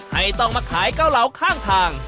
ให้ต้องมาขายเกาเหลาข้างทาง